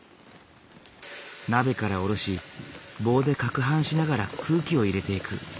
鍋から下ろし棒でかくはんしながら空気を入れていく。